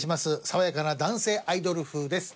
爽やかな男性アイドル風です。